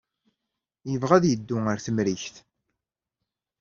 Yebɣa ad yeddu ɣer Temrikt.